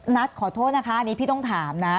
นัทขอโทษนะคะอันนี้พี่ต้องถามนะ